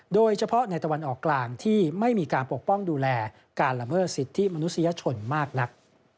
โดยเฉพาะในตะวันออกกลางที่ไม่มีการปกป้องดูแลการละเมิดสิทธิมนุษยชนมากนัก